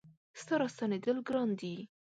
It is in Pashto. ستا را ستنېدل ګران دي